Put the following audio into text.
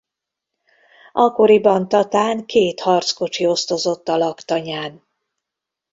Akkoriban Tatán két harckocsi osztozott a laktanyán.